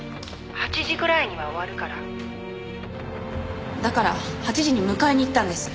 ８時ぐらいには終わるから」だから８時に迎えに行ったんです。